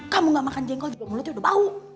kamu gak makan jengkol juga mulutnya udah bau